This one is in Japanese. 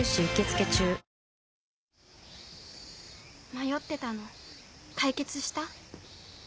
迷ってたの解決した？